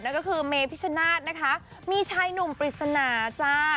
แล้วก็คือเมฟิชาณานะคะมีชายหนุ่มปริศนาจะ